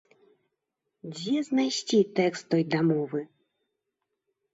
Дзе знайсці тэкст той дамовы?